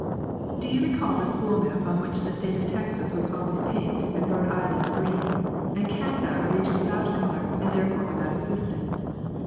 Do you recall the school map on which the state of Texas was always pink and Rhode Island green? And Canada a region without colour, and therefore without existence?